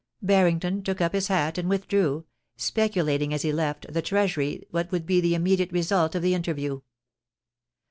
Barrington took up his hat and withdrew, speculating as he left the Treasury what would be the immediate result of the interview.